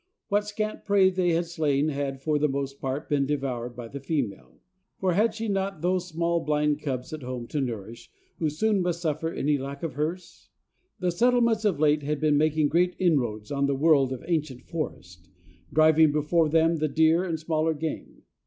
What scant prey they had slain had for the most part been devoured by the female; for had she not those small blind cubs at home to nourish, who soon must suffer at any lack of hers? The settlements of late had been making great inroads on the world of ancient forest, driving before them the deer and smaller game.